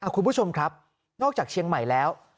คุณผู้ชมครับนอกจากเชียงใหม่แล้ว